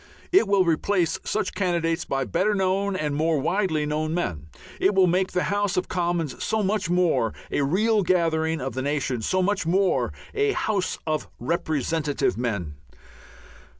It will replace such candidates by better known and more widely known men. It will make the House of Commons so much the more a real gathering of the nation, so much the more a house of representative men.